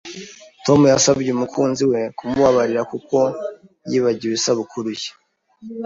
Tom yasabye umukunzi we kumubabarira kuko yibagiwe isabukuru ye.